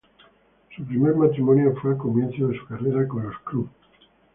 Su primer matrimonio fue al comienzo de su carrera con los Crüe.